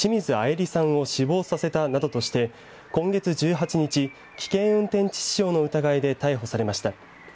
莉さんを死亡させたなどとして今月１８日危険運転致死傷の疑いで逮捕されました。